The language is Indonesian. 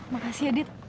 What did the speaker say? ya kasi edith